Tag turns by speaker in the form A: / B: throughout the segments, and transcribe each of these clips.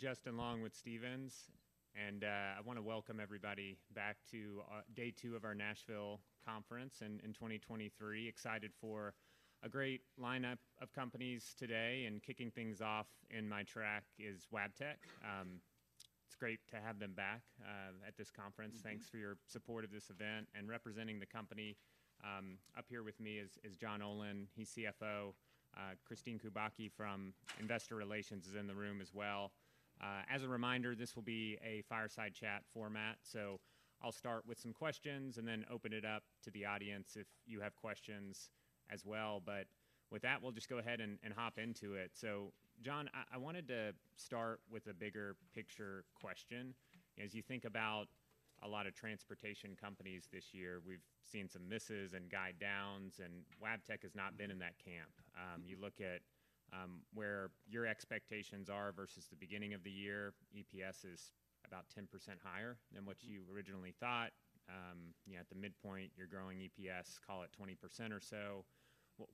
A: Justin Long with Stephens, and I wanna welcome everybody back to day two of our Nashville conference in 2023. Excited for a great lineup of companies today. Kicking things off in my track is Wabtec. It's great to have them back at this conference. Thanks for your support of this event. Representing the company up here with me is John Olin. He's CFO. Kristine Kubacki from Investor Relations is in the room as well. As a reminder, this will be a fireside chat format. I'll start with some questions and then open it up to the audience if you have questions as well. But with that, we'll just go ahead and hop into it. So John, I wanted to start with a bigger picture question. As you think about a lot of transportation companies this year, we've seen some misses and guide downs, and Wabtec has not been in that camp. You look at where your expectations are versus the beginning of the year, EPS is about 10% higher than what you originally thought. You know, at the midpoint, you're growing EPS, call it 20% or so.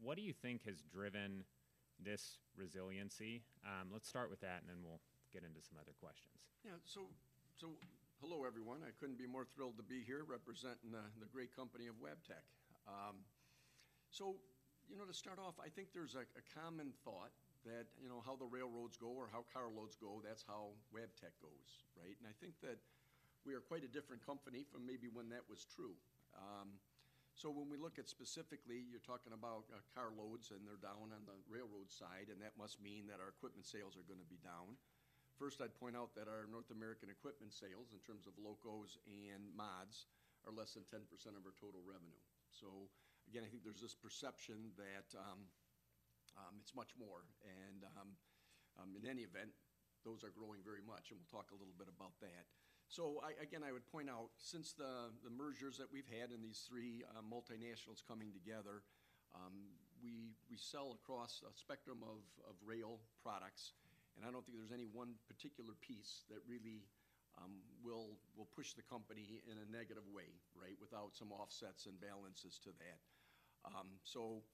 A: What do you think has driven this resiliency? Let's start with that, and then we'll get into some other questions.
B: Yeah. So hello, everyone. I couldn't be more thrilled to be here representing the great company of Wabtec. So, you know, to start off, I think there's a common thought that, you know, how the railroads go or how car loads go, that's how Wabtec goes, right? And I think that we are quite a different company from maybe when that was true. So when we look at specifically, you're talking about car loads, and they're down on the railroad side, and that must mean that our equipment sales are gonna be down. First, I'd point out that our North American equipment sales, in terms of locos and mods, are less than 10% of our total revenue. So again, I think there's this perception that it's much more. And, in any event, those are growing very much, and we'll talk a little bit about that. So, again, I would point out, since the mergers that we've had in these three multinationals coming together, we sell across a spectrum of rail products, and I don't think there's any one particular piece that really will push the company in a negative way, right? Without some offsets and balances to that. So,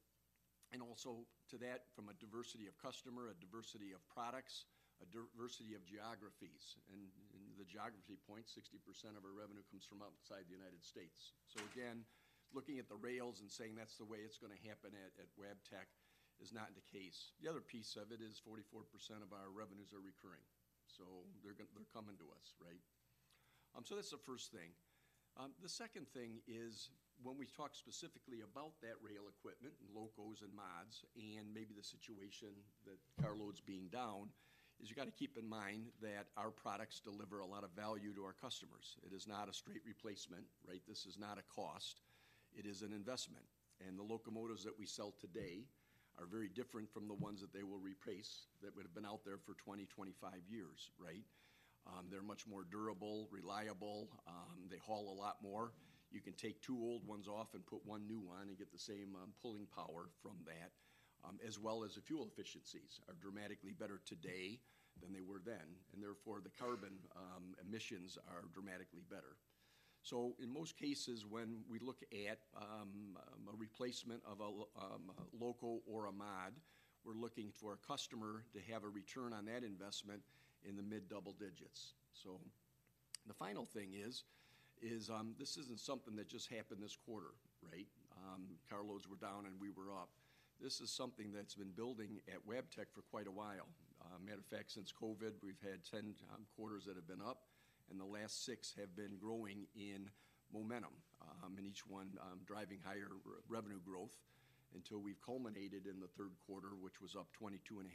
B: and also to that, from a diversity of customer, a diversity of products, a diversity of geographies. And the geography point, 60% of our revenue comes from outside the United States. So again, looking at the rails and saying that's the way it's gonna happen at Wabtec is not the case. The other piece of it is 44% of our revenues are recurring, so they're coming to us, right? So that's the first thing. The second thing is, when we talk specifically about that rail equipment and locos and mods, and maybe the situation with carloads being down, you gotta keep in mind that our products deliver a lot of value to our customers. It is not a straight replacement, right? This is not a cost, it is an investment. And the locomotives that we sell today are very different from the ones that they will replace, that would have been out there for 20-25 years, right? They're much more durable, reliable, they haul a lot more. You can take two old ones off and put one new one and get the same pulling power from that. As well as the fuel efficiencies are dramatically better today than they were then, and therefore, the carbon emissions are dramatically better. So in most cases, when we look at a replacement of a loco or a mod, we're looking for a customer to have a return on that investment in the mid double digits. So the final thing is, this isn't something that just happened this quarter, right? Car loads were down, and we were up. This is something that's been building at Wabtec for quite a while. Matter of fact, since COVID, we've had 10 quarters that have been up, and the last six have been growing in momentum, and each one driving higher revenue growth, until we've culminated in the third quarter, which was up 22.5%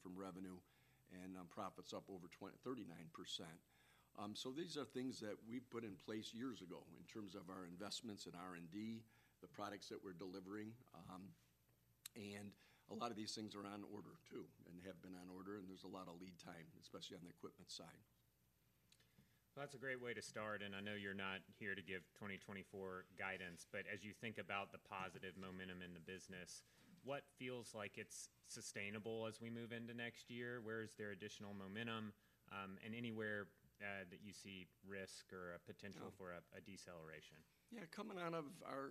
B: from revenue, and profits up over 39%. So these are things that we put in place years ago in terms of our investments and R&D, the products that we're delivering. And a lot of these things are on order too, and have been on order, and there's a lot of lead time, especially on the equipment side.
A: That's a great way to start, and I know you're not here to give 2024 guidance, but as you think about the positive momentum in the business, what feels like it's sustainable as we move into next year? Where is there additional momentum, and anywhere, that you see risk or a potential-
B: Yeah...
A: for a deceleration?
B: Yeah, coming out of our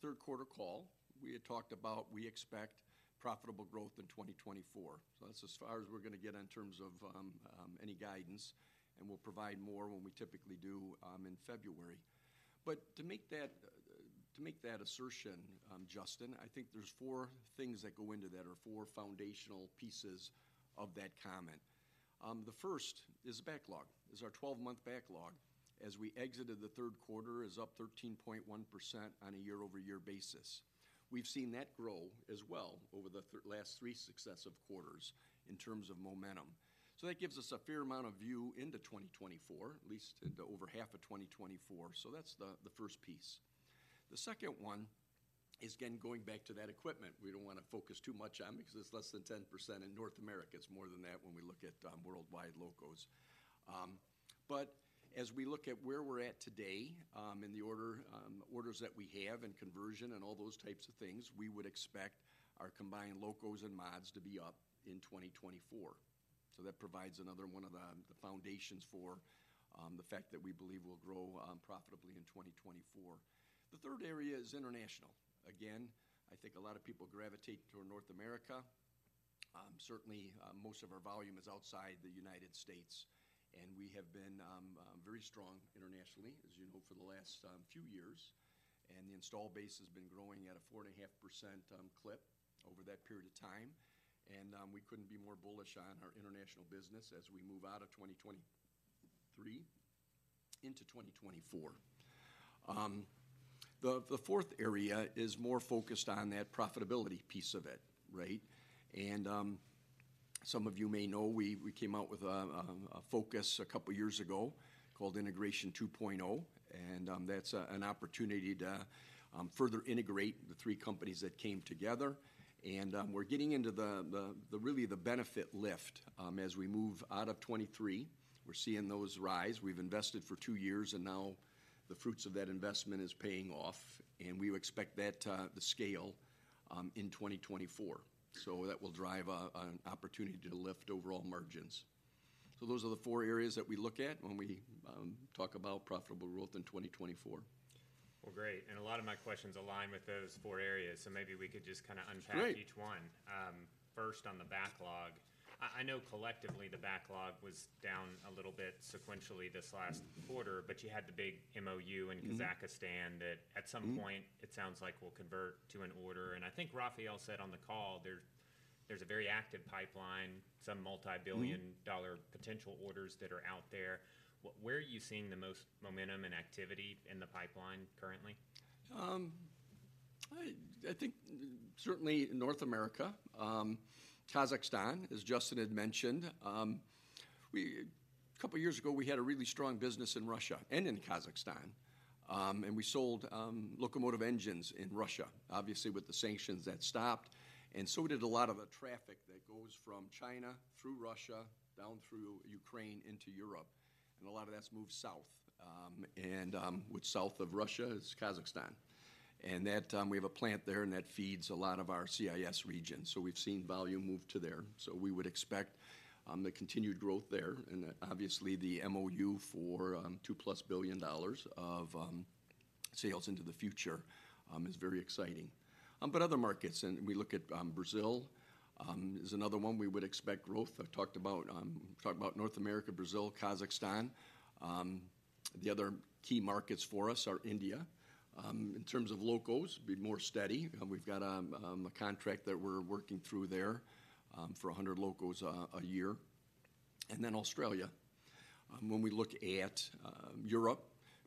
B: third quarter call, we had talked about we expect profitable growth in 2024. So that's as far as we're gonna get in terms of any guidance, and we'll provide more when we typically do in February. But to make that assertion, Justin, I think there's four things that go into that or four foundational pieces of that comment. The first is backlog. Our 12-month backlog, as we exited the third quarter, is up 13.1% on a year-over-year basis. We've seen that grow as well over the last three successive quarters in terms of momentum. So that gives us a fair amount of view into 2024, at least into over half of 2024. So that's the first piece. The second one is, again, going back to that equipment. We don't wanna focus too much on, because it's less than 10% in North America. It's more than that when we look at worldwide locos. But as we look at where we're at today, in the orders that we have and conversion and all those types of things, we would expect our combined locos and mods to be up in 2024. So that provides another one of the foundations for the fact that we believe we'll grow profitably in 2024. The third area is international. Again, I think a lot of people gravitate toward North America. Certainly, most of our volume is outside the United States, and we have been very strong internationally, as you know, for the last few years. And the install base has been growing at a 4.5% clip over that period of time. And we couldn't be more bullish on our international business as we move out of 2023 into 2024. The fourth area is more focused on that profitability piece of it, right? And some of you may know, we came out with a focus a couple of years ago called Integration 2.0, and that's an opportunity to further integrate the three companies that came together. And we're getting into the real benefit lift as we move out of 2023. We're seeing those rise. We've invested for two years, and now the fruits of that investment is paying off, and we expect that to scale in 2024. So that will drive an opportunity to lift overall margins. So those are the four areas that we look at when we talk about profitable growth in 2024.
A: Well, great. A lot of my questions align with those four areas, so maybe we could just kinda unpack-
B: Great...
A: each one. First, on the backlog, I know collectively, the backlog was down a little bit sequentially this last quarter, but you had the big MoU in Kazakhstan, that at some point it sounds like will convert to an order. And I think Rafael said on the call, there, there's a very active pipeline, some multi-billion dollar potential orders that are out there. Where are you seeing the most momentum and activity in the pipeline currently?
B: I think certainly in North America, Kazakhstan, as Justin had mentioned. A couple of years ago, we had a really strong business in Russia and in Kazakhstan, and we sold locomotive engines in Russia. Obviously, with the sanctions, that stopped, and so did a lot of the traffic that goes from China through Russia, down through Ukraine into Europe, and a lot of that's moved south. And south of Russia is Kazakhstan. And that we have a plant there, and that feeds a lot of our CIS region, so we've seen volume move to there. So we would expect the continued growth there, and obviously, the MoU for $2+ billion of sales into the future is very exciting. But other markets, and we look at, Brazil, is another one we would expect growth. I've talked about, talked about North America, Brazil, Kazakhstan. The other key markets for us are India. In terms of locos, it'd be more steady. We've got, a contract that we're working through there, for 100 locos, a year, and then Australia. When we look at, Europe,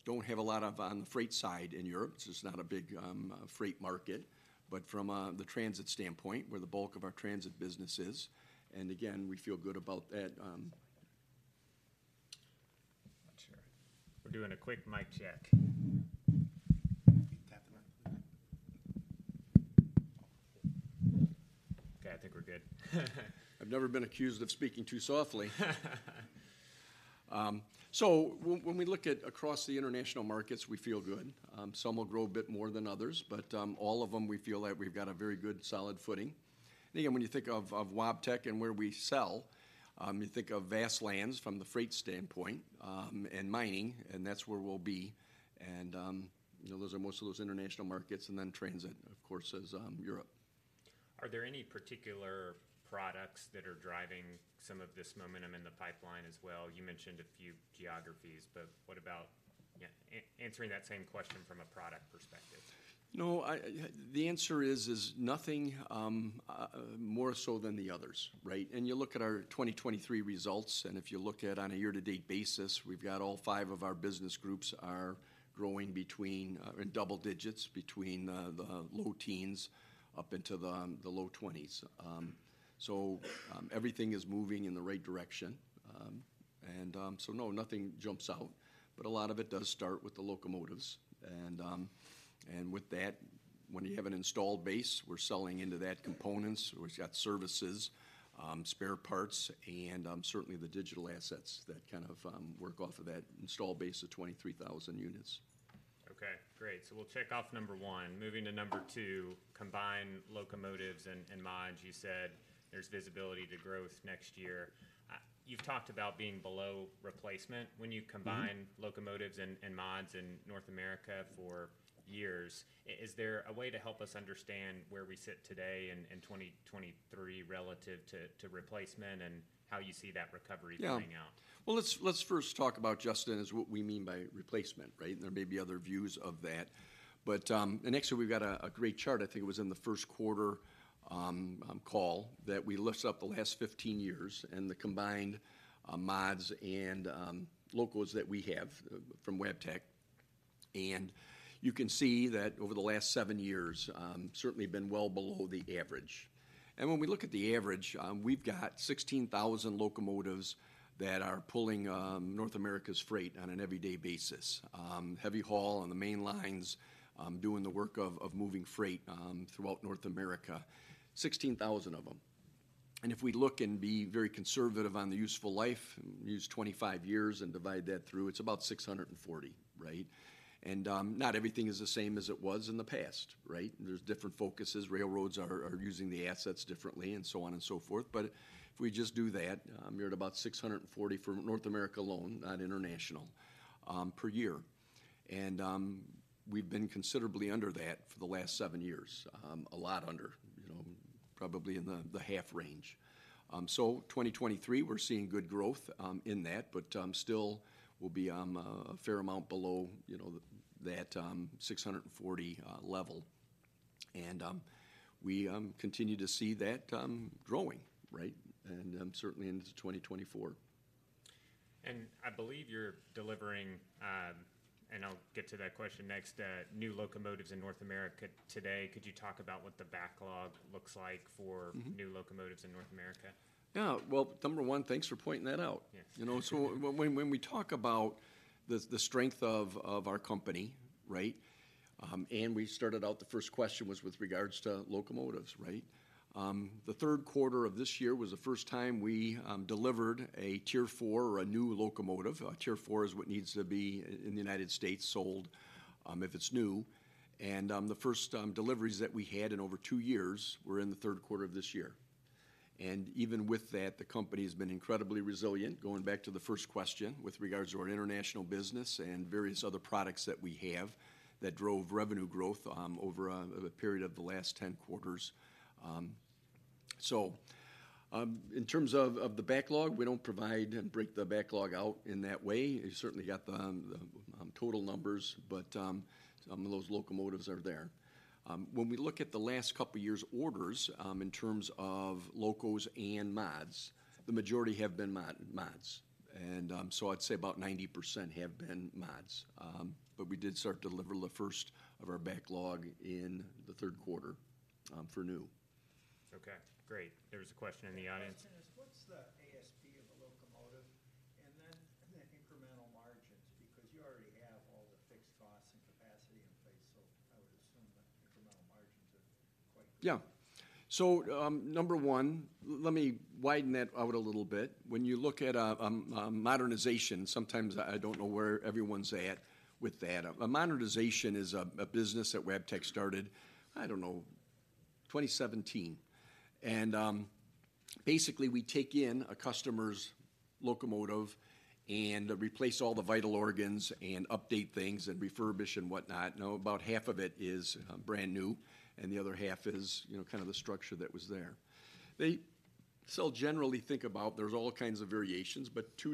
B: don't have a lot of on the freight side in Europe, so it's not a big, freight market, but from, the transit standpoint, where the bulk of our transit business is, and again, we feel good about that-
A: Not sure. We're doing a quick mic check. Tap the mic. Okay, I think we're good.
B: I've never been accused of speaking too softly. So when we look at across the international markets, we feel good. Some will grow a bit more than others, but all of them, we feel that we've got a very good, solid footing. And again, when you think of, of Wabtec and where we sell, you think of vast lands from the freight standpoint, and mining, and that's where we'll be. And you know, those are most of those international markets, and then transit, of course, is Europe.
A: Are there any particular products that are driving some of this momentum in the pipeline as well? You mentioned a few geographies, but what about... Yeah, answering that same question from a product perspective.
B: No, I, the answer is nothing more so than the others, right? And you look at our 2023 results, and if you look at on a year-to-date basis, we've got all five of our business groups are growing between in double digits, between the low teens up into the low 20s. So everything is moving in the right direction. And so no, nothing jumps out, but a lot of it does start with the locomotives. And with that, when you have an installed base, we're selling into that components, we've got services, spare parts, and certainly the digital assets that kind of work off of that installed base of 23,000 units.
A: Okay, great. So we'll check off number one. Moving to number two, combine locomotives and mods. You said there's visibility to growth next year. You've talked about being below replacement when you combine locomotives and mods in North America for years. Is there a way to help us understand where we sit today in 2023 relative to replacement and how you see that recovery-
B: Yeah...
A: playing out?
B: Well, let's first talk about, Justin, what we mean by replacement, right? And there may be other views of that. But, and actually, we've got a great chart. I think it was in the first quarter call, that we listed up the last 15 years and the combined mods and locos that we have from Wabtec. And you can see that over the last seven years, certainly been well below the average. And when we look at the average, we've got 16,000 locomotives that are pulling North America's freight on an everyday basis, heavy haul on the main lines, doing the work of moving freight throughout North America, 16,000 of them. If we look and be very conservative on the useful life, use 25 years and divide that through, it's about 640, right? Not everything is the same as it was in the past, right? There's different focuses. Railroads are using the assets differently, and so on and so forth. But if we just do that, we're at about 640 for North America alone, not international, per year. We've been considerably under that for the last seven years, a lot under, you know, probably in the half range. So 2023, we're seeing good growth in that, but still we'll be a fair amount below, you know, that 640 level. We continue to see that growing, right, and certainly into 2024.
A: I believe you're delivering, and I'll get to that question next, new locomotives in North America today. Could you talk about what the backlog looks like for new locomotives in North America?
B: Yeah. Well, number one, thanks for pointing that out.
A: Yes.
B: You know, so when we talk about the strength of our company, right? And we started out the first question was with regards to locomotives, right? The third quarter of this year was the first time we delivered a Tier 4 or a new locomotive. Tier 4 is what needs to be, in the United States, sold if it's new. And the first deliveries that we had in over two years were in the third quarter of this year. And even with that, the company has been incredibly resilient, going back to the first question, with regards to our international business and various other products that we have that drove revenue growth over the period of the last 10 quarters. So, in terms of the backlog, we don't provide and break the backlog out in that way. You certainly got the total numbers, but those locomotives are there. When we look at the last couple years' orders, in terms of locos and mods, the majority have been mods. And so I'd say about 90% have been mods. But we did start to deliver the first of our backlog in the third quarter, for new.
A: Okay, great. There was a question in the audience.
C: The question is, what's the ASP of a locomotive, and then, and then incremental margins? Because you already have all the fixed costs and capacity in place, so I would assume the incremental margins are quite-
B: Yeah. So, number one, let me widen that out a little bit. When you look at a modernization, sometimes I don't know where everyone's at with that. A modernization is a business that Wabtec started, I don't know, 2017. And, basically, we take in a customer's locomotive and replace all the vital organs and update things and refurbish and whatnot. You know, about half of it is brand new, and the other half is, you know, kind of the structure that was there. So generally think about, there's all kinds of variations, but $2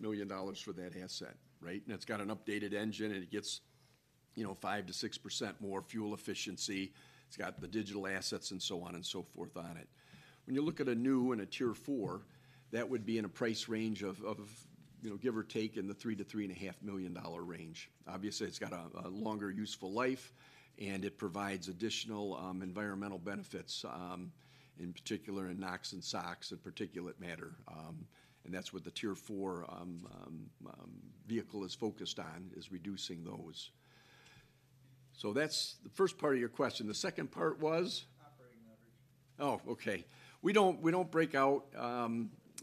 B: million-$2.5 million for that asset, right? And it's got an updated engine, and it gets, you know, 5%-6% more fuel efficiency. It's got the digital assets and so on and so forth on it. When you look at a new and a Tier 4, that would be in a price range of, you know, give or take, in the $3 million-$3.5 million range. Obviously, it's got a longer useful life, and it provides additional environmental benefits in particular in NOx and SOx and particulate matter. And that's what the Tier 4 vehicle is focused on, is reducing those. So that's the first part of your question. The second part was?
C: Operating leverage.
B: Oh, okay. We don't, we don't break out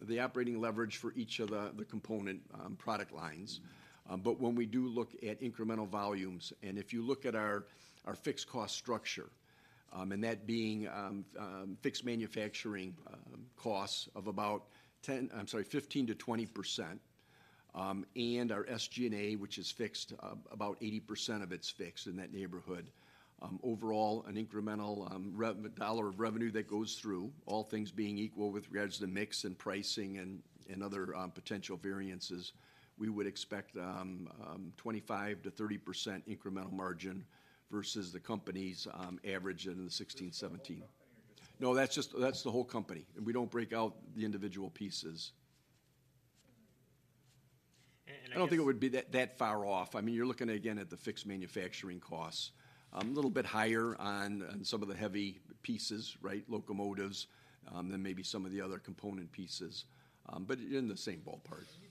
B: the operating leverage for each of the, the component product lines. But when we do look at incremental volumes, and if you look at our, our fixed cost structure, and that being fixed manufacturing costs of about 15%-20%, and our SG&A, which is fixed, about 80% of it's fixed in that neighborhood. Overall, an incremental dollar of revenue that goes through, all things being equal with regards to the mix and pricing and, and other potential variances, we would expect 25%-30% incremental margin versus the company's average in the 16%-17%. No, that's just the whole company. We don't break out the individual pieces.
A: And I guess.
B: I don't think it would be that far off. I mean, you're looking again at the fixed manufacturing costs. A little bit higher on some of the heavy pieces, right, locomotives, than maybe some of the other component pieces, but in the same ballpark.
C: You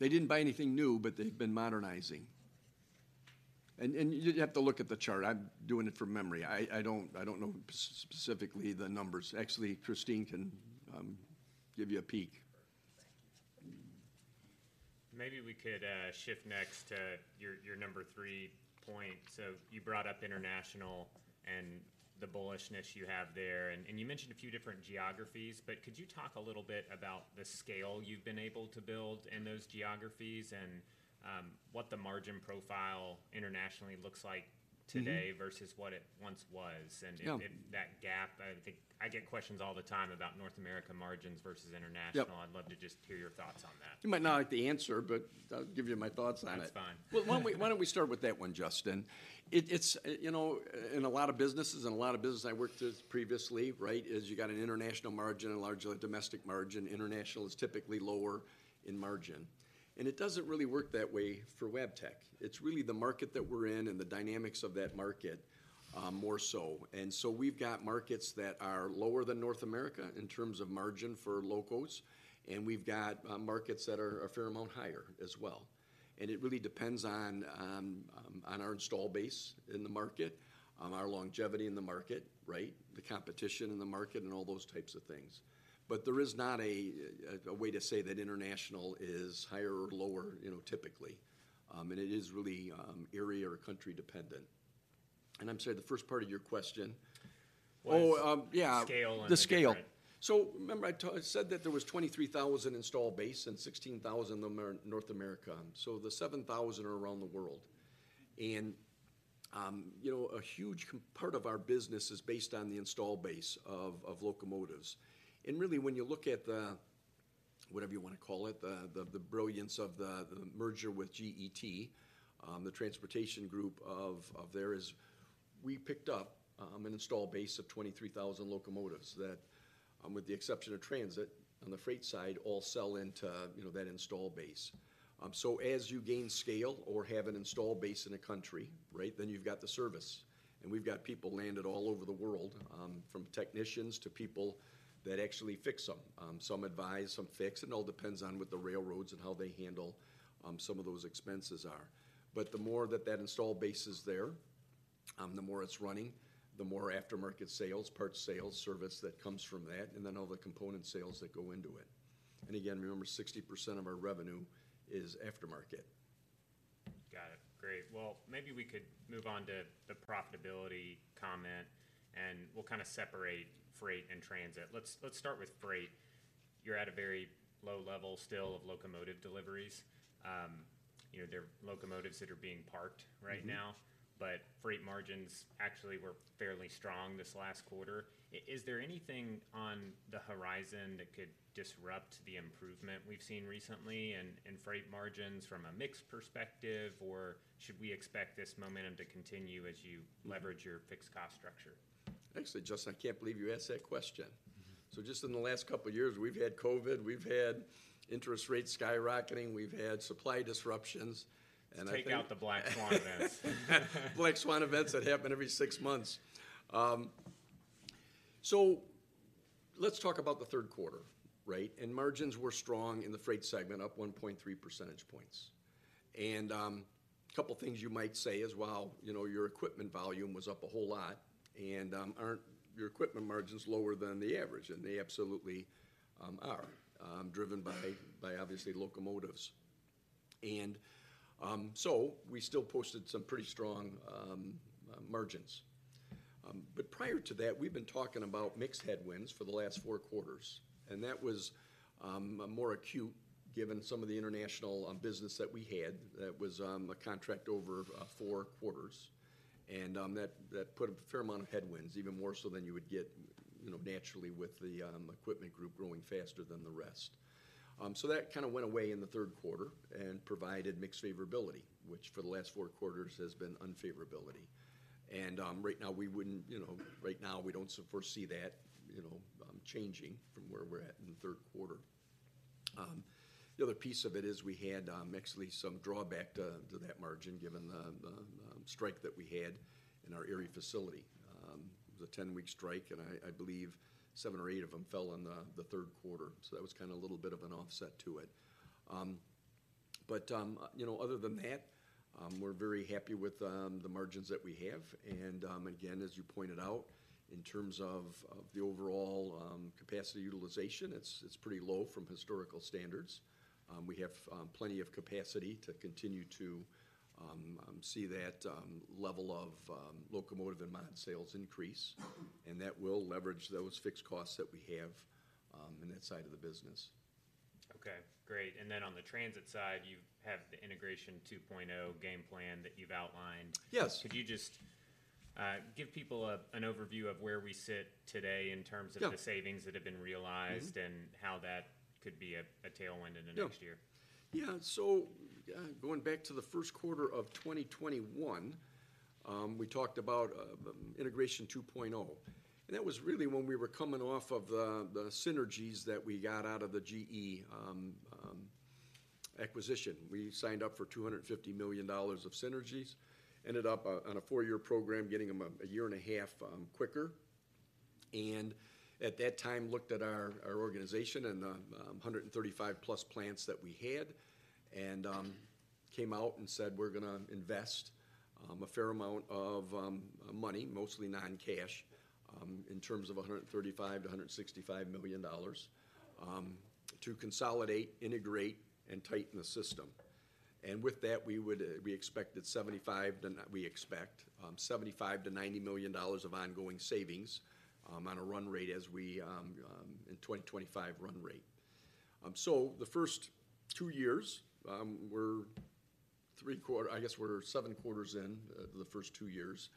C: said that recent years, you were running about half of that 60-40 replacement. I thought it was less than that. I thought the rails basically didn't buy anything the last two years.
B: They didn't buy anything new, but they've been modernizing. You'd have to look at the chart. I'm doing it from memory. I don't know specifically the numbers. Actually, Kristine can give you a peek.
C: Thank you.
A: Maybe we could shift next to your number three point. So you brought up international and the bullishness you have there, and you mentioned a few different geographies, but could you talk a little bit about the scale you've been able to build in those geographies and what the margin profile internationally looks like today versus what it once was?
B: Yeah.
A: If, if that gap, I think I get questions all the time about North America margins versus international.
B: Yep.
A: I'd love to just hear your thoughts on that.
B: You might not like the answer, but I'll give you my thoughts on it.
A: That's fine.
B: Well, why don't we, why don't we start with that one, Justin? It's, you know, in a lot of businesses, and a lot of businesses I worked with previously, right, is you got an international margin and a large domestic margin. International is typically lower in margin. And it doesn't really work that way for Wabtec. It's really the market that we're in and the dynamics of that market, more so. And so we've got markets that are lower than North America in terms of margin for locos, and we've got markets that are a fair amount higher as well. And it really depends on, on our installed base in the market, our longevity in the market, right, the competition in the market, and all those types of things. But there is not a way to say that international is higher or lower, you know, typically. And it is really area or country dependent, and I'm sorry, the first part of your question. Oh, yeah.
A: Scale and-
B: The scale. So remember I said that there was 23,000 installed base and 16,000 of them are in North America, so the 7,000 are around the world. And, you know, a huge part of our business is based on the installed base of locomotives. And really, when you look at the, whatever you wanna call it, the brilliance of the merger with GET, the transportation group of theirs, we picked up an installed base of 23,000 locomotives that, with the exception of transit, on the freight side all sell into, you know, that installed base. So as you gain scale or have an installed base in a country, right, then you've got the service. And we've got people landed all over the world, from technicians to people that actually fix them. Some advise, some fix; it all depends on what the railroads and how they handle, some of those expenses are. But the more that that installed base is there, the more it's running, the more aftermarket sales, parts sales, service that comes from that, and then all the component sales that go into it. And again, remember, 60% of our revenue is aftermarket.
A: Got it. Great. Well, maybe we could move on to the profitability comment, and we'll kinda separate freight and transit. Let's, let's start with freight. You're at a very low level still of locomotive deliveries. You know, there are locomotives that are being parked right now but freight margins actually were fairly strong this last quarter. Is there anything on the horizon that could disrupt the improvement we've seen recently in freight margins from a mix perspective, or should we expect this momentum to continue as you leverage your fixed cost structure?
B: Actually, Justin, I can't believe you asked that question. Just in the last couple of years, we've had COVID, we've had interest rates skyrocketing, we've had supply disruptions, and I think-
A: Take out the black swan events.
B: Black swan events that happen every six months. So let's talk about the third quarter, right? And margins were strong in the freight segment, up 1.3 percentage points. And couple things you might say is, "Well, you know, your equipment volume was up a whole lot, and aren't your equipment margins lower than the average?" And they absolutely are, driven by obviously locomotives. And so we still posted some pretty strong margins. But prior to that, we've been talking about mixed headwinds for the last four quarters, and that was more acute given some of the international business that we had. That was a contract over four quarters, and that put a fair amount of headwinds, even more so than you would get, you know, naturally with the equipment group growing faster than the rest. So that kinda went away in the third quarter and provided mixed favorability, which for the last four quarters has been unfavorability. Right now, we wouldn't, you know—right now, we don't foresee that, you know, changing from where we're at in the third quarter. The other piece of it is we had actually some drawback to that margin, given the strike that we had in our Erie facility. It was a 10-week strike, and I believe seven or eight of them fell in the third quarter, so that was kinda a little bit of an offset to it. You know, other than that, we're very happy with the margins that we have, and again, as you pointed out, in terms of the overall capacity utilization, it's pretty low from historical standards. We have plenty of capacity to continue to see that level of locomotive and mining sales increase, and that will leverage those fixed costs that we have in that side of the business.
A: Okay, great. And then on the transit side, you have the Integration 2.0 game plan that you've outlined.
B: Yes.
A: Could you just give people an overview of where we sit today in terms of-
B: Yeah...
A: the savings that have been realized and how that could be a tailwind in the next year?
B: Yeah. Yeah, so, going back to the first quarter of 2021, we talked about Integration 2.0, and that was really when we were coming off of the synergies that we got out of the GE acquisition. We signed up for $250 million of synergies, ended up on a four-year program, getting them 1.5 years quicker. And at that time, looked at our organization and 135+ plants that we had, and came out and said: "We're gonna invest a fair amount of money," mostly non-cash, in terms of $135 million-$165 million, to consolidate, integrate, and tighten the system. With that, we expect $75 million-$90 million of ongoing savings on a run rate in 2025 run rate. So the first two years, we're seven quarters in, the first two years.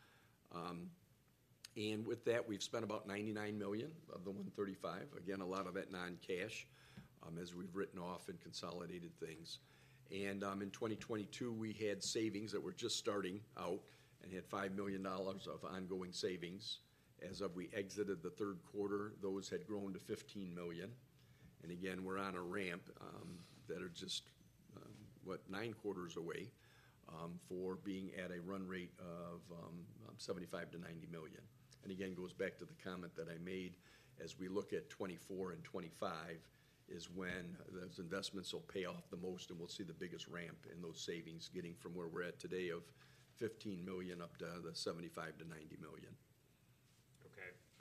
B: And with that, we've spent about $99 million of the $135 million. Again, a lot of that non-cash, as we've written off and consolidated things. And in 2022, we had savings that were just starting out and had $5 million of ongoing savings. As we exited the third quarter, those had grown to $15 million, and again, we're on a ramp that are just nine quarters away for being at a run rate of $75 million-$90 million. And again, goes back to the comment that I made, as we look at 2024 and 2025, is when those investments will pay off the most, and we'll see the biggest ramp in those savings, getting from where we're at today of $15 million up to the $75 million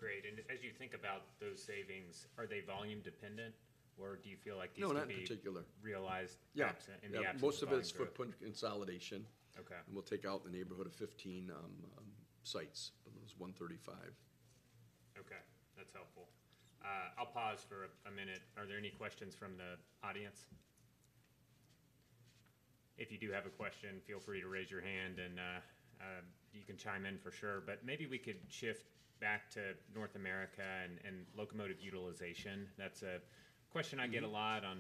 B: to and as you think about those savings, are they volume dependent, or do you feel like these can be? No, not in particular.
A: Realized-
B: Yeah
A: Absent in the actual-
B: Most of it is footprint consolidation.
A: Okay.
B: We'll take out in the neighborhood of 15 sites, but it was 135.
A: Okay, that's helpful. I'll pause for a minute. Are there any questions from the audience? If you do have a question, feel free to raise your hand, and you can chime in for sure. But maybe we could shift back to North America and locomotive utilization. That's a question I get a lot on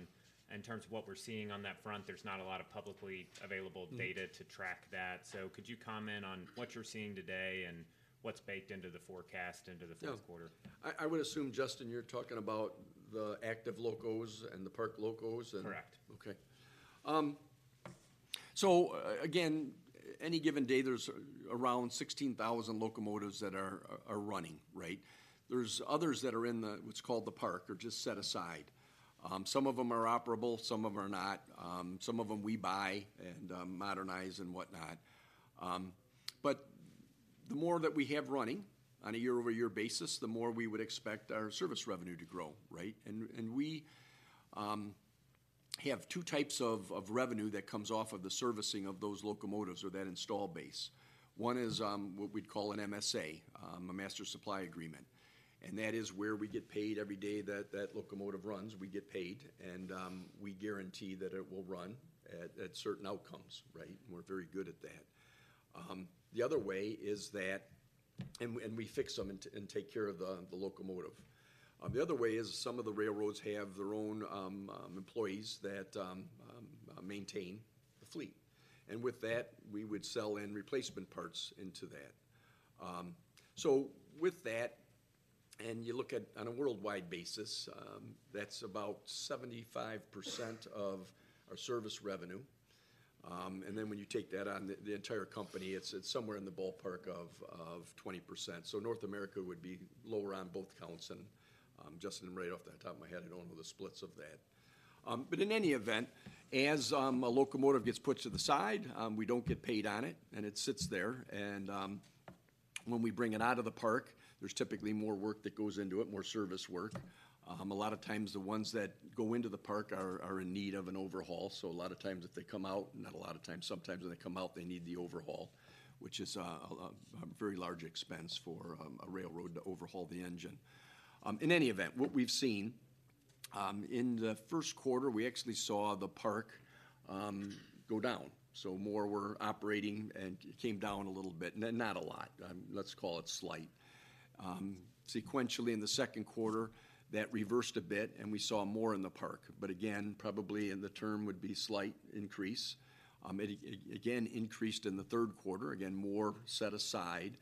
A: in terms of what we're seeing on that front. There's not a lot of publicly available data to track that. Could you comment on what you're seeing today and what's baked into the forecast into the fourth quarter?
B: Yeah. I, I would assume, Justin, you're talking about the active locos and the parked locos and-
A: Correct.
B: Okay. So, again, any given day, there's around 16,000 locomotives that are running, right? There's others that are in the what's called the park or just set aside. Some of them are operable, some of them are not. Some of them we buy and modernize and whatnot. But the more that we have running on a year-over-year basis, the more we would expect our service revenue to grow, right? And we have two types of revenue that comes off of the servicing of those locomotives or that installed base. One is what we'd call an MSA, a Master Supply Agreement, and that is where we get paid every day that that locomotive runs. We get paid, and we guarantee that it will run at certain outcomes, right? And we're very good at that. The other way is that. And we fix them and take care of the locomotive. The other way is some of the railroads have their own employees that maintain the fleet. And with that, we would sell and replacement parts into that. So with that, and you look at on a worldwide basis, that's about 75% of our service revenue. And then when you take that on the entire company, it's somewhere in the ballpark of 20%. So North America would be lower on both counts, and Justin, right off the top of my head, I don't know the splits of that. But in any event, as a locomotive gets put to the side, we don't get paid on it, and it sits there. When we bring it out of the park, there's typically more work that goes into it, more service work. A lot of times, the ones that go into the park are in need of an overhaul, so a lot of times if they come out, not a lot of times, sometimes when they come out, they need the overhaul, which is a very large expense for a railroad to overhaul the engine. In any event, what we've seen in the first quarter, we actually saw the park go down, so more were operating, and it came down a little bit. Not a lot, let's call it slight. Sequentially, in the second quarter, that reversed a bit, and we saw more in the park, but again, probably in the term would be slight increase. It again increased in the third quarter. Again, more set aside,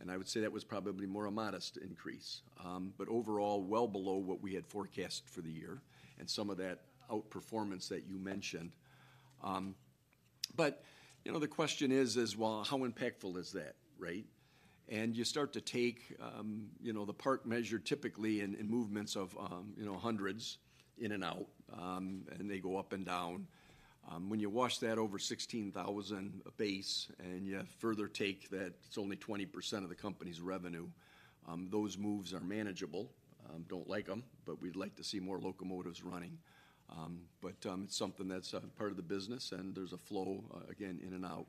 B: and I would say that was probably more a modest increase, but overall, well below what we had forecasted for the year and some of that outperformance that you mentioned. But, you know, the question is, well, how impactful is that, right? And you start to take, you know, the part measure typically in movements of hundreds in and out, and they go up and down. When you wash that over 16,000 base and you further take that, it's only 20% of the company's revenue, those moves are manageable. Don't like them, but we'd like to see more locomotives running. But, it's something that's part of the business, and there's a flow, again, in and out.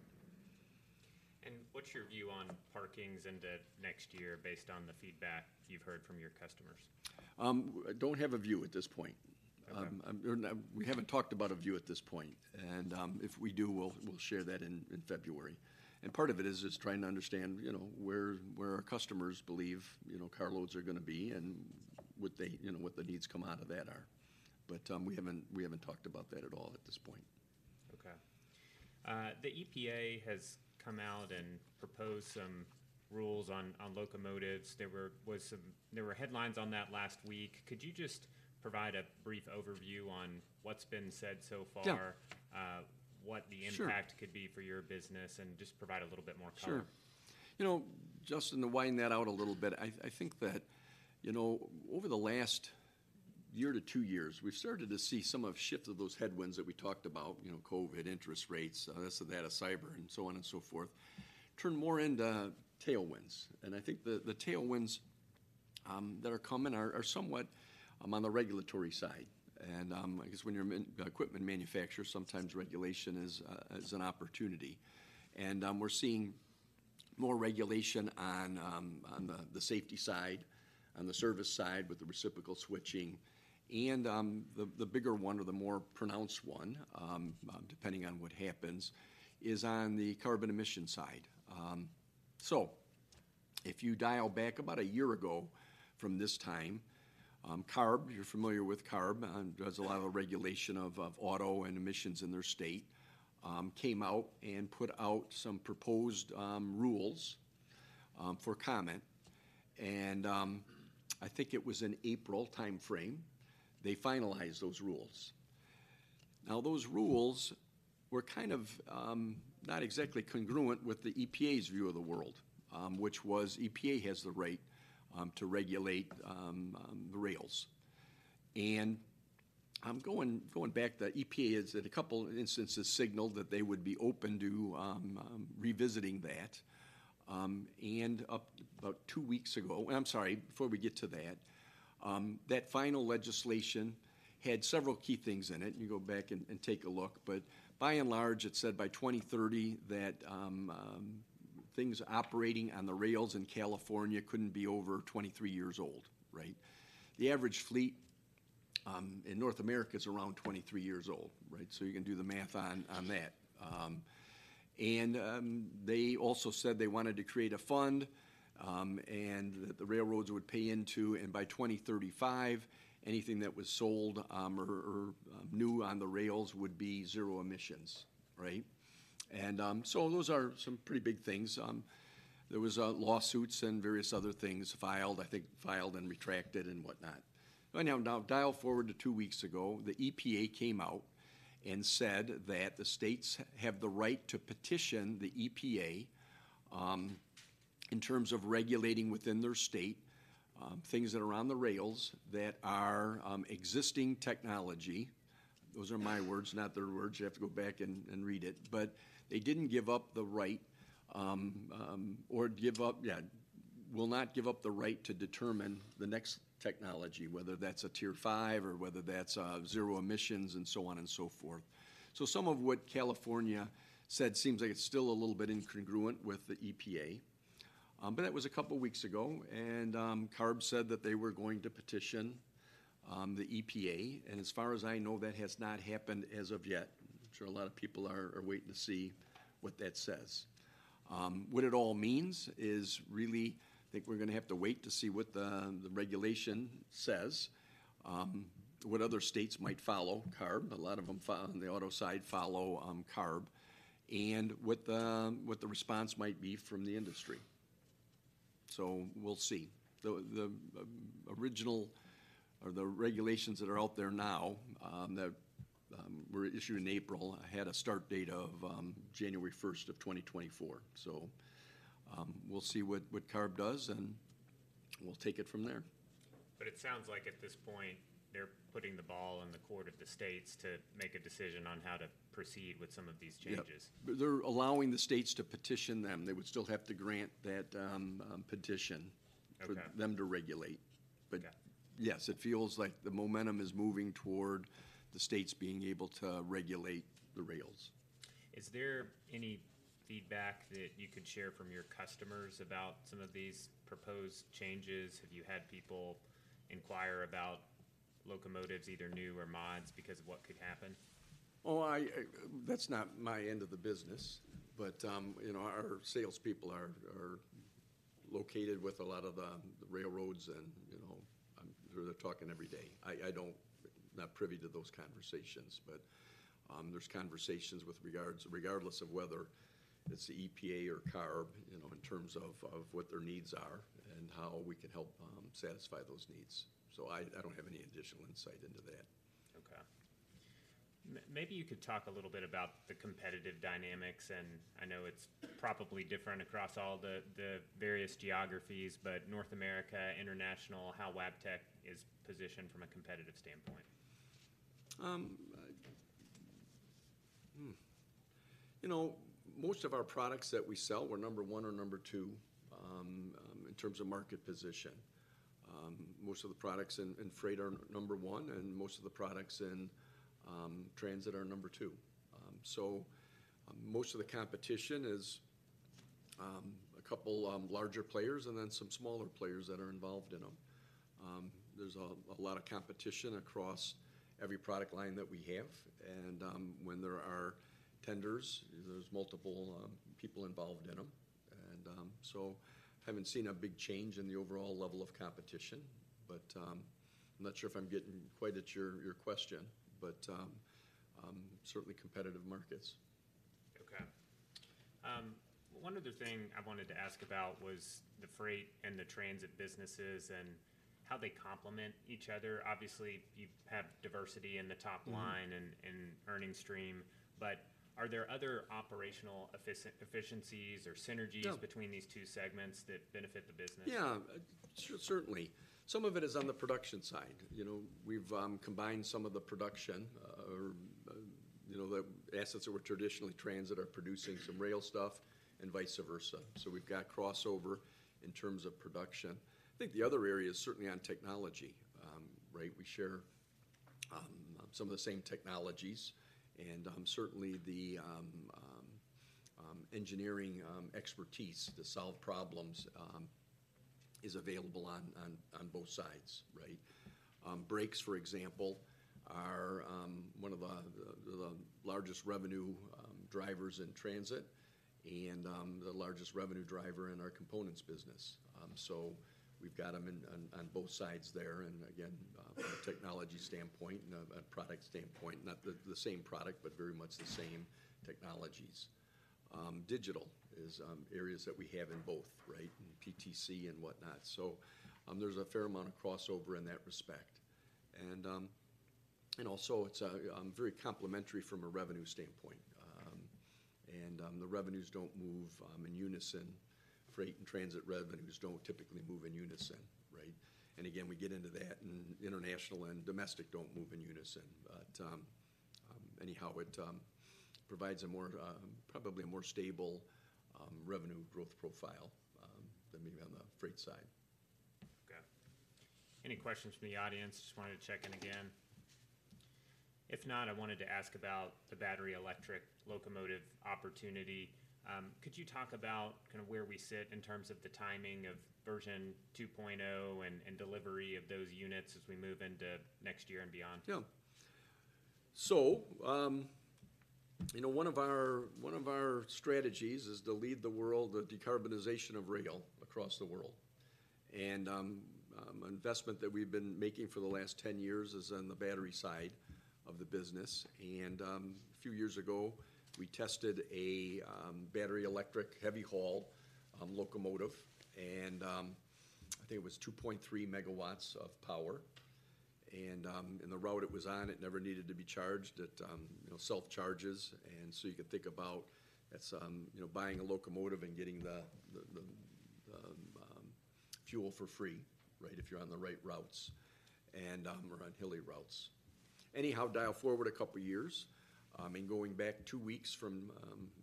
A: What's your view on parkings into next year based on the feedback you've heard from your customers?
B: I don't have a view at this point.
A: Okay.
B: We haven't talked about a view at this point, and if we do, we'll share that in February. And part of it is trying to understand, you know, where our customers believe, you know, car loads are gonna be and what they, you know, what the needs come out of that are. But we haven't talked about that at all at this point.
A: Okay. The EPA has come out and proposed some rules on locomotives. There were some headlines on that last week. Could you just provide a brief overview on what's been said so far?
B: Yeah.
A: What the-
B: Sure...
A: impact could be for your business, and just provide a little bit more color?
B: Sure. You know, Justin, to wind that out a little bit, I think that, you know, over the last year to two years, we've started to see some shifts of those headwinds that we talked about, you know, COVID, interest rates, this and that, cyber, and so on and so forth, turn more into tailwinds. I think the tailwinds that are coming are somewhat on the regulatory side. I guess when you're an equipment manufacturer, sometimes regulation is an opportunity. We're seeing more regulation on the safety side, on the service side, with the reciprocal switching. The bigger one or the more pronounced one, depending on what happens, is on the carbon emission side. So if you dial back about a year ago from this time, CARB, you're familiar with CARB, does a lot of regulation of auto and emissions in their state, came out and put out some proposed rules for comment, and I think it was in April timeframe, they finalized those rules. Now, those rules were kind of not exactly congruent with the EPA's view of the world, which was EPA has the right to regulate the rails. And I'm going back, the EPA has, in a couple of instances, signaled that they would be open to revisiting that. And about two weeks ago, I'm sorry, before we get to that, that final legislation had several key things in it, and you go back and take a look. But by and large, it said by 2030 that things operating on the rails in California couldn't be over 23 years old, right? The average fleet in North America is around 23 years old, right? So you can do the math on that. They also said they wanted to create a fund and that the railroads would pay into, and by 2035, anything that was sold or new on the rails would be zero emissions, right? So those are some pretty big things. There was lawsuits and various other things filed, I think, filed and retracted and whatnot. But now, now dial forward to two weeks ago, the EPA came out and said that the states have the right to petition the EPA in terms of regulating within their state things that are on the rails that are existing technology. Those are my words, not their words. You have to go back and read it. But they didn't give up the right or give up... Yeah, will not give up the right to determine the next technology, whether that's a Tier 5 or whether that's zero emissions, and so on and so forth. So some of what California said seems like it's still a little bit incongruent with the EPA, but that was a couple of weeks ago, and CARB said that they were going to petition the EPA. As far as I know, that has not happened as of yet. I'm sure a lot of people are waiting to see what that says. What it all means is really, I think we're gonna have to wait to see what the regulation says, what other states might follow CARB. A lot of them, on the auto side, follow CARB, and what the response might be from the industry. We'll see. The original regulations that are out there now, that were issued in April, had a start date of January 1st of 2024. We'll see what CARB does, and we'll take it from there.
A: It sounds like at this point, they're putting the ball in the court of the states to make a decision on how to proceed with some of these changes.
B: Yeah. They're allowing the states to petition them. They would still have to grant that, petition-
A: Okay...
B: for them to regulate.
A: Got it.
B: Yes, it feels like the momentum is moving toward the states being able to regulate the rails.
A: Is there any feedback that you could share from your customers about some of these proposed changes? Have you had people inquire about locomotives, either new or mods, because of what could happen?
B: Oh, I... That's not my end of the business, but you know, our salespeople are located with a lot of the railroads, and you know, they're talking every day. I'm not privy to those conversations, but there's conversations with regards regardless of whether it's the EPA or CARB, you know, in terms of what their needs are and how we can help satisfy those needs. So I don't have any additional insight into that.
A: Okay. Maybe you could talk a little bit about the competitive dynamics, and I know it's probably different across all the various geographies, but North America, international, how Wabtec is positioned from a competitive standpoint?
B: You know, most of our products that we sell, we're number one or number two in terms of market position. Most of the products in freight are number one, and most of the products in transit are number two. So most of the competition is a couple larger players and then some smaller players that are involved in them. There's a lot of competition across every product line that we have, and when there are tenders, there's multiple people involved in them. So I haven't seen a big change in the overall level of competition, but I'm not sure if I'm getting quite at your question, but certainly competitive markets.
A: Okay. One other thing I wanted to ask about was the freight and the transit businesses and how they complement each other. Obviously, you have diversity in the top line and earning stream, but are there other operational efficiencies or synergies-
B: Yeah...
A: between these two segments that benefit the business?
B: Yeah, sure, certainly. Some of it is on the production side. You know, we've combined some of the production, you know, the assets that were traditionally transit are producing some rail stuff and vice versa. So we've got crossover in terms of production. I think the other area is certainly on technology. Right, we share some of the same technologies, and certainly, the engineering expertise to solve problems is available on both sides, right? Brakes, for example, are one of the largest revenue drivers in transit and the largest revenue driver in our components business. So we've got them on both sides there, and again, from a technology standpoint and a product standpoint, not the same product, but very much the same technologies. Digital is areas that we have in both, right? In PTC and whatnot. So, there's a fair amount of crossover in that respect. And also, it's very complementary from a revenue standpoint, and the revenues don't move in unison. Freight and transit revenues don't typically move in unison, right? And again, we get into that, and international and domestic don't move in unison. But anyhow, it provides a more, probably a more stable, revenue growth profile than maybe on the freight side.
A: Okay. Any questions from the audience? Just wanted to check in again. If not, I wanted to ask about the battery electric locomotive opportunity. Could you talk about kinda where we sit in terms of the timing of Version 2.0 and delivery of those units as we move into next year and beyond?
B: Yeah. So, you know, one of our, one of our strategies is to lead the world of decarbonization of rail across the world. And, investment that we've been making for the last 10 years is on the battery side of the business. And, a few years ago, we tested a battery electric heavy-haul locomotive, and I think it was 2.3 MW of power. And the route it was on, it never needed to be charged. It you know, self-charges, and so you could think about that's you know, buying a locomotive and getting the fuel for free, right, if you're on the right routes, and or on hilly routes. Anyhow, dial forward a couple of years, and going back two weeks from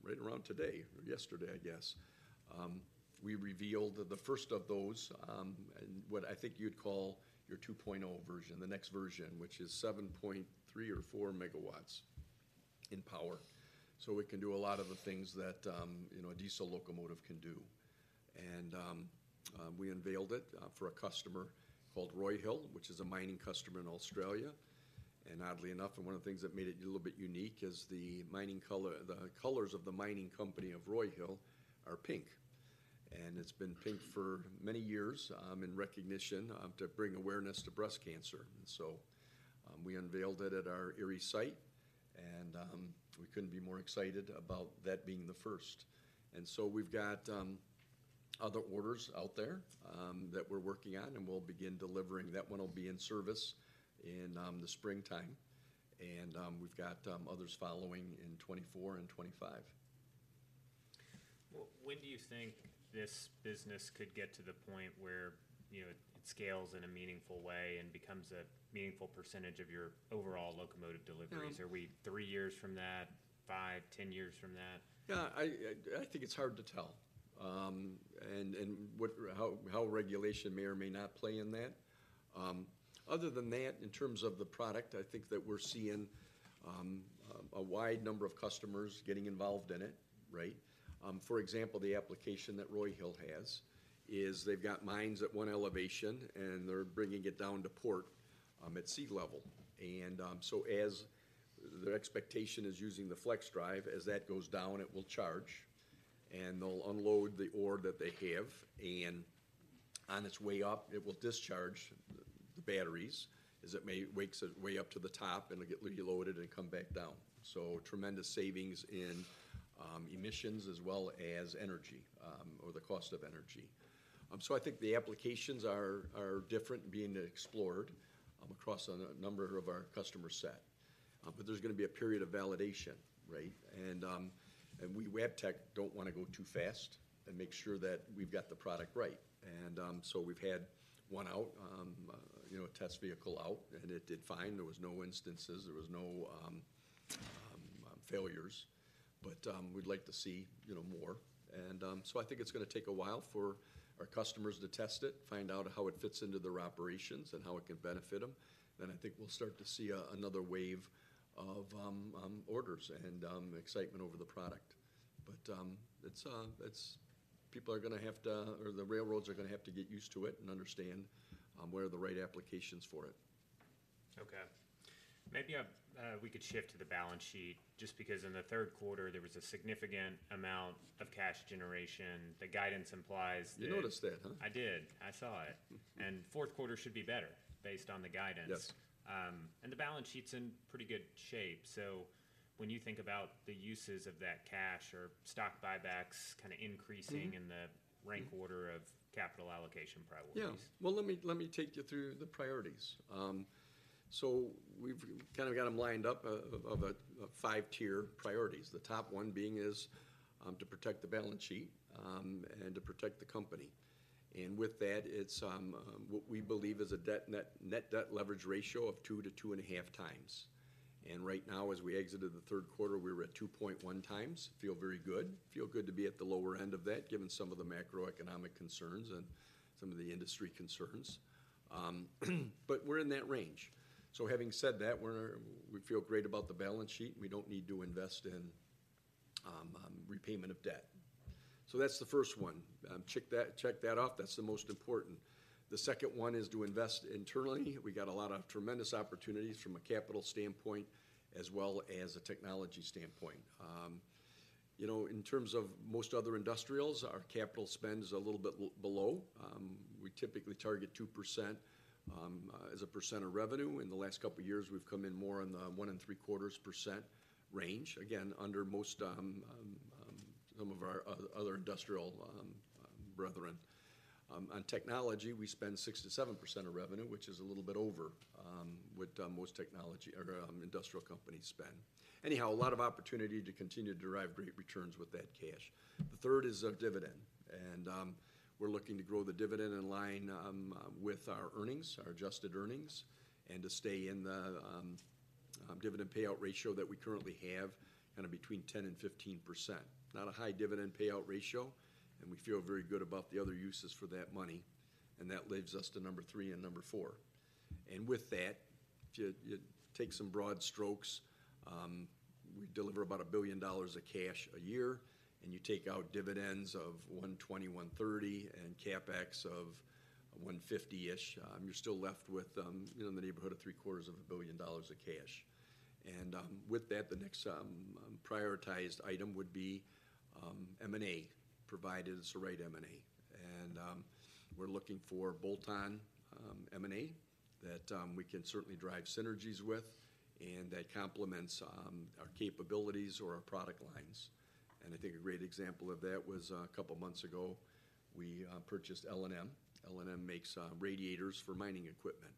B: right around today or yesterday, I guess, we revealed the first of those, and what I think you'd call your 2.0 version, the next version, which is 7.3 or 7.4 MW in power. So it can do a lot of the things that, you know, a diesel locomotive can do. And we unveiled it for a customer called Roy Hill, which is a mining customer in Australia. And oddly enough, one of the things that made it a little bit unique is the mining colors, the colors of the mining company of Roy Hill are pink, and it's been pink for many years, in recognition to bring awareness to breast cancer. We unveiled it at our Erie site, and we couldn't be more excited about that being the first. We've got other orders out there that we're working on, and we'll begin delivering. That one will be in service in the springtime, and we've got others following in 2024 and 2025.
A: Well, when do you think this business could get to the point where, you know, it scales in a meaningful way and becomes a meaningful percentage of your overall locomotive deliveries. Are we three years from that, five, 10 years from that?
B: Yeah, I think it's hard to tell. And how regulation may or may not play in that. Other than that, in terms of the product, I think that we're seeing a wide number of customers getting involved in it, right? For example, the application that Roy Hill has is they've got mines at one elevation, and they're bringing it down to port at sea level. And so as their expectation is using the FLXdrive, as that goes down, it will charge, and they'll unload the ore that they have, and on its way up, it will discharge the batteries, as it makes its way up to the top, and it'll get reloaded and come back down. So tremendous savings in emissions as well as energy, or the cost of energy. So I think the applications are different being explored across a number of our customer set. But there's gonna be a period of validation, right? And we at Wabtec don't wanna go too fast and make sure that we've got the product right. So we've had one out, you know, a test vehicle out, and it did fine. There was no instances, there was no failures. But we'd like to see, you know, more. So I think it's gonna take a while for our customers to test it, find out how it fits into their operations, and how it can benefit them. Then I think we'll start to see another wave of orders and excitement over the product. But it's, it's-- People are gonna have to-- or the railroads are gonna have to get used to it and understand where are the right applications for it.
A: Okay. Maybe we could shift to the balance sheet, just because in the third quarter, there was a significant amount of cash generation. The guidance implies that-
B: You noticed that?
A: I did. I saw it. Fourth quarter should be better, based on the guidance.
B: Yes.
A: The balance sheet's in pretty good shape. When you think about the uses of that cash or stock buybacks kind of increasing in the rank order of capital allocation priorities.
B: Yeah. Well, let me, let me take you through the priorities. So we've kind of got them lined up, a five-tier priorities. The top one being is, to protect the balance sheet, and to protect the company. And with that, it's, what we believe is a net debt leverage ratio of 2x-2.5x. And right now, as we exited the third quarter, we were at 2.1x. Feel very good. Feel good to be at the lower end of that, given some of the macroeconomic concerns and some of the industry concerns. But we're in that range. So having said that, we feel great about the balance sheet. We don't need to invest in, repayment of debt. So that's the first one. Check that, check that off. That's the most important. The second one is to invest internally. We got a lot of tremendous opportunities from a capital standpoint as well as a technology standpoint. You know, in terms of most other industrials, our capital spend is a little bit below. We typically target 2%, as a percent of revenue. In the last couple of years, we've come in more on the 1.75% range. Again, under most, some of our other industrial brethren. On technology, we spend 67% of revenue, which is a little bit over what most technology or industrial companies spend. Anyhow, a lot of opportunity to continue to derive great returns with that cash. The third is our dividend, and we're looking to grow the dividend in line with our earnings, our adjusted earnings, and to stay in the dividend payout ratio that we currently have, kind of between 10%-15%. Not a high dividend payout ratio, and we feel very good about the other uses for that money, and that leads us to Number 3 and Number 4. With that, to take some broad strokes, we deliver about $1 billion of cash a year, and you take out dividends of $120 million, $130 million, and CapEx of $150 million-ish, you're still left with, you know, in the neighborhood of $750 million of cash. With that, the next prioritized item would be M&A, provided it's the right M&A. We're looking for bolt-on M&A that we can certainly drive synergies with and that complements our capabilities or our product lines. I think a great example of that was a couple of months ago, we purchased L&M. L&M makes radiators for mining equipment,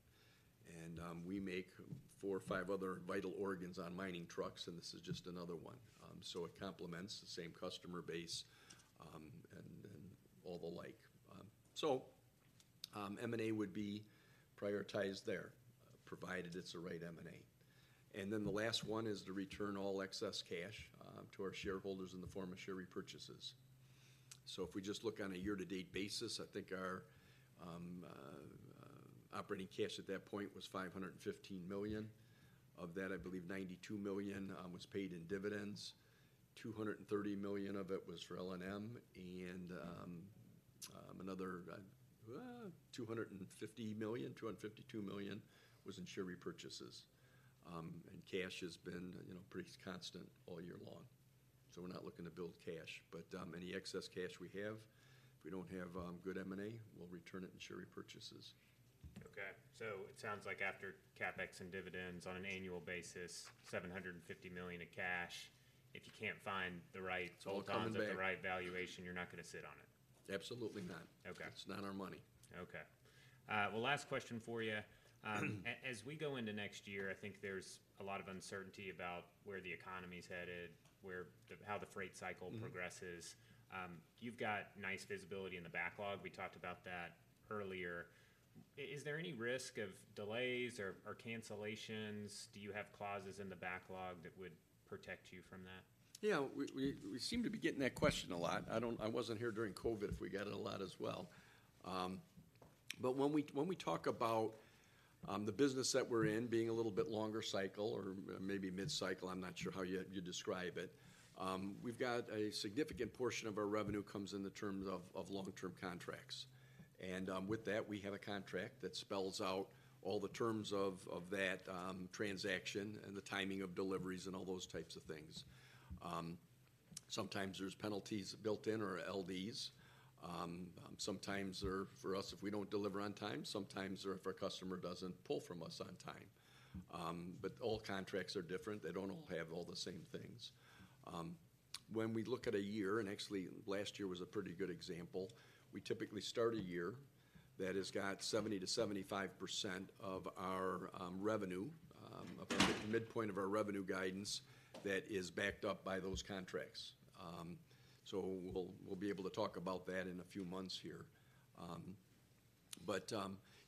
B: and we make four or five other vital organs on mining trucks, and this is just another one. So it complements the same customer base, and all the like. So M&A would be prioritized there, provided it's the right M&A. Then the last one is to return all excess cash to our shareholders in the form of share repurchases. So if we just look on a year-to-date basis, I think our operating cash at that point was $515 million. Of that, I believe $92 million was paid in dividends, $230 million of it was for L&M, and another $250 million, $252 million was in share repurchases. Cash has been, you know, pretty constant all year long. So we're not looking to build cash, but any excess cash we have, if we don't have good M&A, we'll return it in share repurchases.
A: Okay. So it sounds like after CapEx and dividends on an annual basis, $750 million in cash, if you can't find the right-
B: It's all coming back....
A: the right valuation, you're not gonna sit on it?
B: Absolutely not.
A: Okay.
B: It's not our money.
A: Okay. Well, last question for you. As we go into next year, I think there's a lot of uncertainty about where the economy's headed, where the-- how the freight cycle progresses. You've got nice visibility in the backlog. We talked about that earlier. Is there any risk of delays or cancellations? Do you have clauses in the backlog that would protect you from that?
B: Yeah, we seem to be getting that question a lot. I don't, I wasn't here during COVID if we got it a lot as well. But when we talk about the business that we're in being a little bit longer cycle or maybe mid-cycle, I'm not sure how you'd describe it. We've got a significant portion of our revenue comes in the terms of long-term contracts. With that, we have a contract that spells out all the terms of that transaction and the timing of deliveries and all those types of things. Sometimes there's penalties built in or LDs. Sometimes they're for us if we don't deliver on time, sometimes or if our customer doesn't pull from us on time. But all contracts are different. They don't all have all the same things. When we look at a year, and actually, last year was a pretty good example, we typically start a year that has got 70%-75% of our revenue, about the midpoint of our revenue guidance, that is backed up by those contracts. So we'll be able to talk about that in a few months here. But you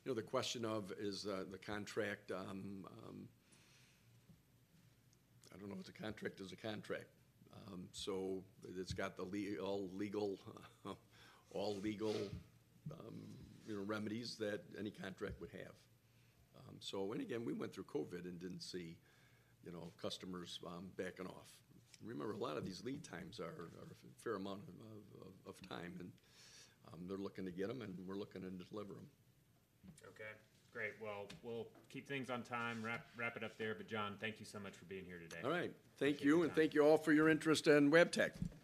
B: know, the question of is the contract... I don't know, the contract is a contract. So it's got all legal, all legal, you know, remedies that any contract would have. So, and again, we went through COVID and didn't see, you know, customers backing off. Remember, a lot of these lead times are a fair amount of time, and they're looking to get them, and we're looking to deliver them.
A: Okay, great. Well, we'll keep things on time. Wrap, wrap it up there. But, John, thank you so much for being here today.
B: All right.
A: Thank you, John.
B: Thank you, and thank you all for your interest in Wabtec.
A: Thanks, everyone.